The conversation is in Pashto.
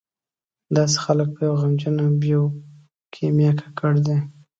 داسې خلک په یوه غمجنه بیوکیمیا ککړ دي.